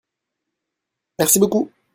merci beaucoup.